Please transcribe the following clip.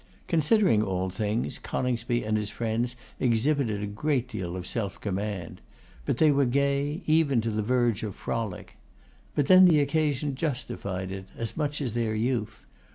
Considering all things, Coningsby and his friends exhibited a great deal of self command; but they were gay, even to the verge of frolic. But then the occasion justified it, as much as their youth.